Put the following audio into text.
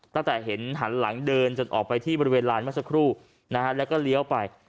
ตั้งแต่เห็นหันหลังเดินจนออกไปที่บริเวณลานเมื่อสักครู่นะฮะแล้วก็เลี้ยวไป